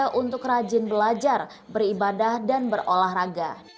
warga untuk rajin belajar beribadah dan berolahraga